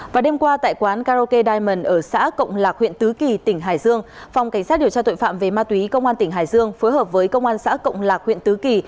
và đêm qua tại quán karaoke diamond ở xã cộng lạc huyện tứ kỳ tỉnh hải dương phòng cảnh sát điều tra tội phạm về ma túy công an tỉnh hải dương phối hợp với công an xã cộng lạc huyện tứ kỳ